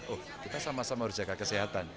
oh kita sama sama harus jaga kesehatan